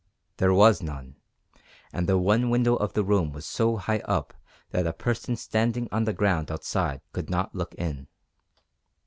There was none, and the one window of the room was so high up that a person standing on the ground outside could not look in.